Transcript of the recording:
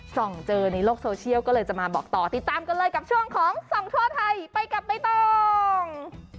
เจอในโลกโซเชียลก็เลยจะมาบอกต่อติดตามกันเลยกับช่วงของส่องทั่วไทยไปกับใบตอง